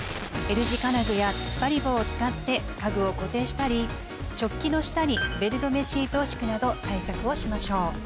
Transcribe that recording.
Ｌ字金具や突っ張り棒を使って家具を固定したり食器の下に滑り止めシートを敷くなど対策をしましょう。